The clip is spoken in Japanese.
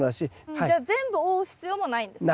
じゃあ全部覆う必要もないんですね。